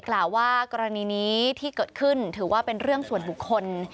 กล่าวว่ากรณีนี้ที่เกิดขึ้นถือว่าเป็นเรื่องส่วนบุคคล